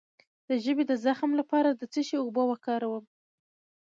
د ژبې د زخم لپاره د څه شي اوبه وکاروم؟